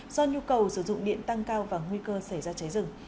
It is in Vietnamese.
do nhu cầu sử dụng điện tăng cao và nguy cơ xảy ra cháy rừng